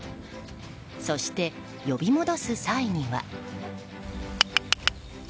そして、呼び戻す際には。